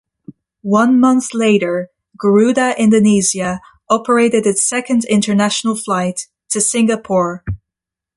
One month later, Garuda Indonesia operated its second international flight, to Singapore.